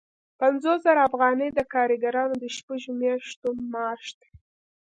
پنځوس زره افغانۍ د کارګرانو د شپږو میاشتو معاش دی